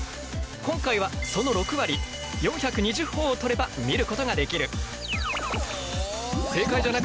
今回はその６割４２０ほぉを取れば見ることができる。